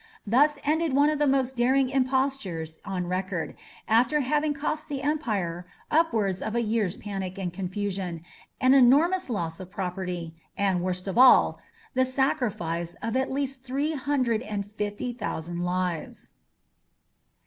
Thus ended one of the most daring impostures on record, after having cost the empire upwards of a year's panic and confusion, an enormous loss of property, and, worse than all, the sacrifice of at least three hundred and fifty thousand lives.